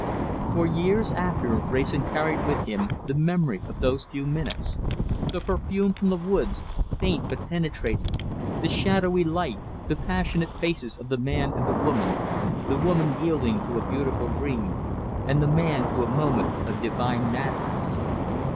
For years after Wrayson carried with him the memory of those few minutes, the perfume from the woods, faint but penetrating; the shadowy light, the passionate faces of the man and the woman, the woman yielding to a beautiful dream, and the man to a moment of divine madness.